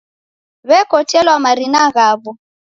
W'ekotelwa marina ghawo